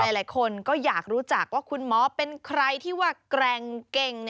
หลายคนก็อยากรู้จักว่าคุณหมอเป็นใครที่ว่าแกร่งเก่ง